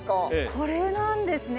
これなんですね。